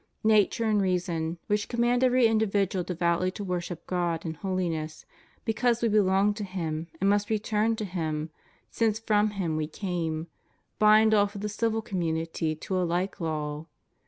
Nature and reason, which command every individual devoutly to worship God in holiness, because we belong to Him and must return to Him since from Him we came, bind also the civil community by a hke law.